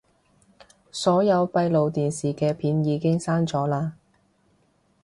所有閉路電視嘅片已經刪咗喇